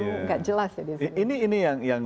tidak jelas ini yang